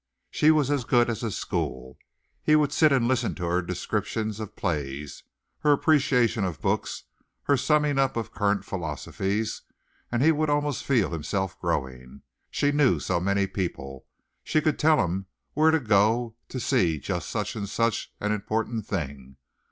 She was as good as a school. He would sit and listen to her descriptions of plays, her appreciation of books, her summing up of current philosophies, and he would almost feel himself growing. She knew so many people, could tell him where to go to see just such and such an important thing.